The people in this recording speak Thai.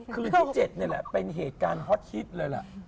คืนที่๗เป็นเหตุการณ์ฮอตฮิตเลยล่ะ